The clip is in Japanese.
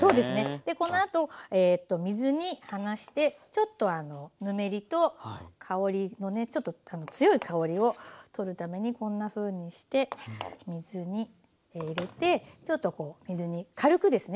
でこのあと水にはなしてちょっとぬめりと香りをねちょっと強い香りを取るためにこんなふうにして水に入れてちょっとこう水に軽くですね